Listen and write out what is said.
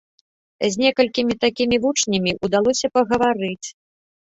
З некалькімі такімі вучнямі ўдалося пагаварыць.